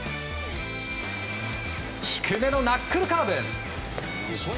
低めのナックルカーブ。